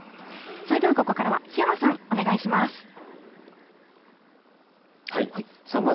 それではここからは檜山さん、お願いします。